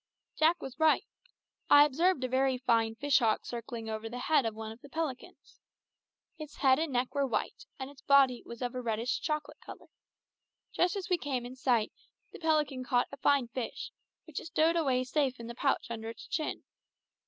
Jack was right. I observed a very fine fish hawk circling over the head of one of the pelicans. Its head and neck were white, and its body was of a reddish chocolate colour. Just as we came in sight, the pelican caught a fine fish, which it stowed away safe in the pouch under its chin.